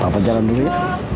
bapak jalan dulu ya